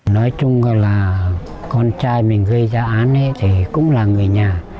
nói chung là con trai mình gây ra án thì cũng là người nhà